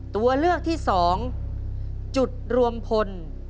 ตัวเลือกที่๒จุดรวมพล